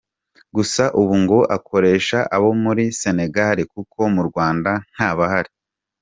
Gusa ubu ngo akoresha abo muri Senegal kuko mu Rwanda ntabahari.